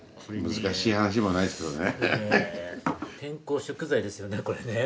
健康食材ですよねこれね。